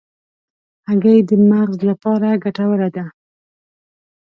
هګۍ د مغز لپاره ګټوره ده.